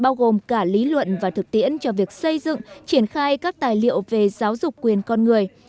bao gồm cả lý luận và thực tiễn cho việc xây dựng triển khai các tài liệu về giáo dục quyền con người